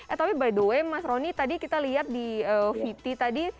eh tapi by the way mas rony tadi kita lihat di vt tadi